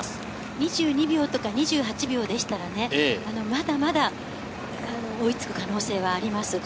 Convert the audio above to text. ２２秒とか２８秒でしたらね、まだまだ追いつく可能性はあります。